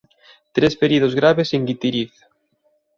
Tres feridos graves en Guitiriz